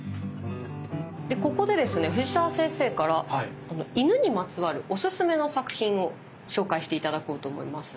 ここでですね藤澤先生から犬にまつわるオススメの作品を紹介して頂こうと思います。